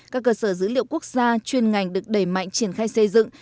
các cơ sở dữ liệu quốc gia chuyên ngành được đẩy mạnh triển khai xây dựng